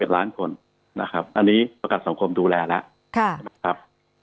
ล้านคนนะครับอันนี้ประกันสังคมดูแลแล้วใช่ไหมครับ